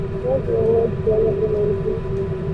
Leo tunaona ushahidi wa tisa kwa mara nyingine tena